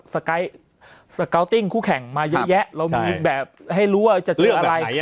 สกาวติ้งคู่แข่งมาเยอะแยะเรามีแบบให้รู้ว่าจะเลือกอะไร